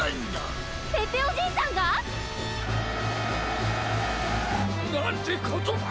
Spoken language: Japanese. ペペおじいさんが！？なんてことだ！